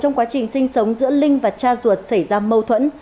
trong quá trình sinh sống giữa linh và cha ruột xảy ra mâu thuẫn